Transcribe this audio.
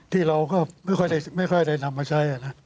ที่เราก็ไม่ค่อยได้นำมาใช้นะ